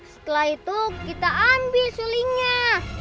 setelah itu kita ambil sulingnya